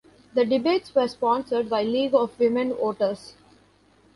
The debates were sponsored by League of Women Voters.